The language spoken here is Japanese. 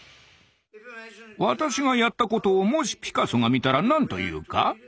私がやったことをもしピカソが見たら何と言うか？